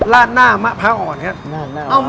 ลาดหน้ามะพร้าวอ่อนครับ